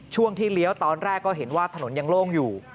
ช่วงที่เลี้ยวตอนแรกก็เห็นว่าถนนยังโล่งอยู่